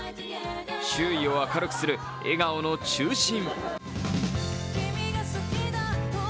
周囲を明るくする笑顔の中心。